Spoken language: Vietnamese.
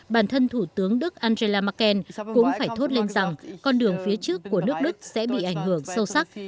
bản thân thủ tướng đức angela merkel cũng phải thốt lên rằng con đường phía trước của nước đức sẽ bị ảnh hưởng sâu sắc